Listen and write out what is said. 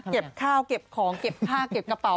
เก็บข้าวเก็บของเก็บผ้าเก็บกระเป๋า